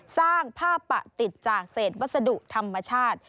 สร้างผ้าปะติดจากเศษวัสดุธรรมชาติ